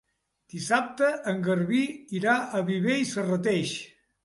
Dissabte en Garbí irà a Viver i Serrateix.